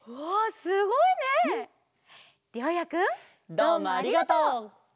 どうもありがとう！